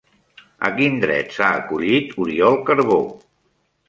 A quin dret s'ha acollit Oriol Carbó?